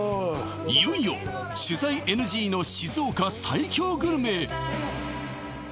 いよいよ取材ＮＧの静岡最強グルメへ！